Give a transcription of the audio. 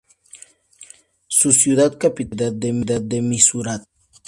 Su ciudad capital es la ciudad de Misurata.